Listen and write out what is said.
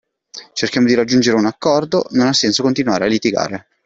Cerchiamo di raggiungere un accordo, non ha senso continuare a litigare.